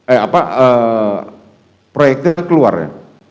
eh apa proyeknya keluar ya